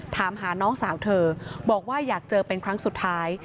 ถามหาน้องสาวเธอบอกว่าอยากเจอเป็นครั้งสุดท้าย